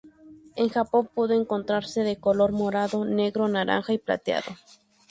En Japón pudo encontrarse de color morado, negro, naranja y plateado.